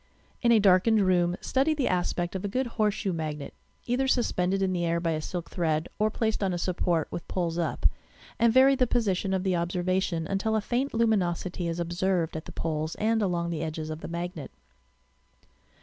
In a darkened room study the aspect of a good horseshoe magnet, either suspended in the air by a silk thread or placed on a support, with poles up, and vaiy the position of the observation until a faint luminosity is observed at the poles and along the edges of the magnet.